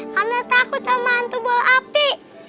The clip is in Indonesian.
karena takut sama hantu bola api